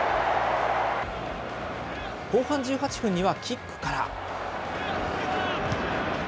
後半１８分にはキックから。